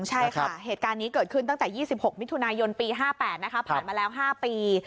ใช่ค่ะเหตุการณ์นี้เกิดขึ้นตั้งแต่๒๖มิถุนายนปี๕๘นะคะผ่านมาแล้ว๕ปี